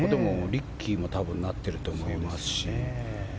リッキーも多分なってると思いますし。